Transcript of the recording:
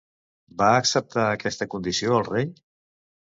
Va acceptar aquesta condició el rei?